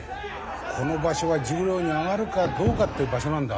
この場所は十両に上がるかどうかっていう場所なんだ。